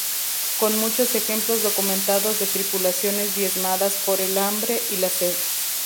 Con muchos ejemplos documentados de tripulaciones diezmadas por el hambre y la sed.